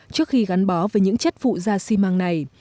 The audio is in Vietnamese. trước khi gắn bó với những chất phụ da xi măng này